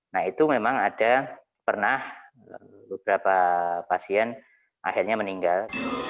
nah itu memang ada pernah beberapa pasien akhirnya meninggal